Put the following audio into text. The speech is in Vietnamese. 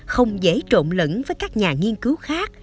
không dễ trộn lẫn với các nhà nghiên cứu khác